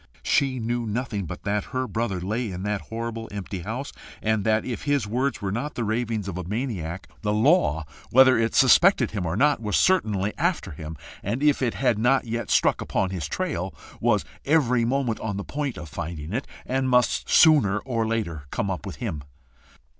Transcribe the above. She knew nothing but that her brother lay in that horrible empty house, and that, if his words were not the ravings of a maniac, the law, whether it yet suspected him or not, was certainly after him, and if it had not yet struck upon his trail, was every moment on the point of finding it, and must sooner or later come up with him.